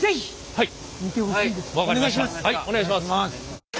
はいお願いします。